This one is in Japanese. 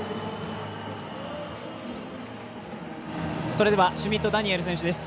それではシュミット・ダニエル選手です。